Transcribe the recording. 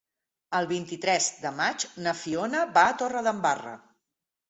El vint-i-tres de maig na Fiona va a Torredembarra.